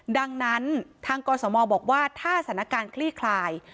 ดังนั้นทางกศมบอกว่าถ้าสถานการณ์คลี่คลาย